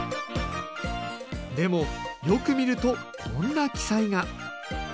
でもよく見るとこんな記載が。